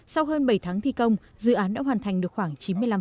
sau hơn bảy tháng thi công dự án đã hoàn thành được khoảng chín mươi năm